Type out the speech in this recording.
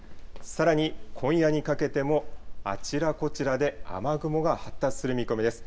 さらに今夜にかけても、あちらこちらで雨雲が発達する見込みです。